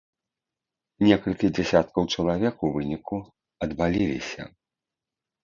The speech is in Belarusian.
Некалькі дзясяткаў чалавек у выніку адваліліся.